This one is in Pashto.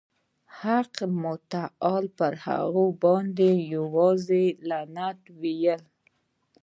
حق متعال پر هغوی باندي یوازي لعنت ویلی.